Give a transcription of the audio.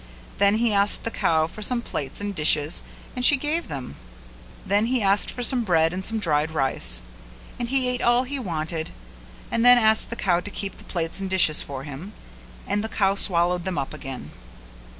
Then he asked the cow for some plates and dishes and she gave them; then he asked for some bread and some dried rice, and he ate all he wanted and then asked the cow to keep the plates and dishes for him; and the cow swallowed them up again.